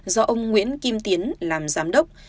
do ông nguyễn kim tiến làm giám đốc